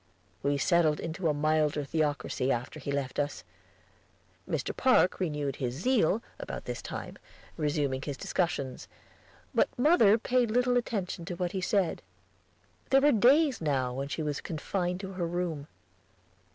We settled into a milder theocracy after he left us. Mr. Park renewed his zeal, about this time, resuming his discussions; but mother paid little attention to what he said. There were days now when she was confined to her room.